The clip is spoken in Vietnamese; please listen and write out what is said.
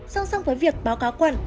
song song với việc báo cáo quận